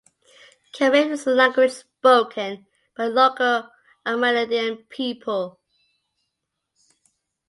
Carib is the language spoken by the local Amerindian people.